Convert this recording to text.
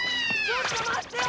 ちょっと待ってよ